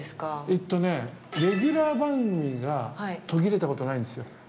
◆えっとね、レギュラー番組が途切れたことないんですよ。